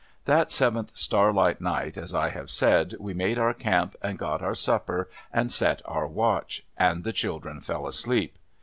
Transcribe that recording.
That seventh starlight night, as I have said, we made our camp, and got our sujjper, and set our watch, and the children fell asleep.